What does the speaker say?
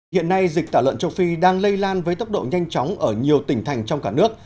hiện nay dịch tả lợn châu phi đang lây lan với tốc độ nhanh chóng ở nhiều tỉnh thành trong cả nước